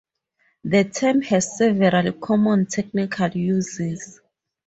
The term has several common technical uses.